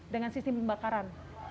dengan sistem pembakaran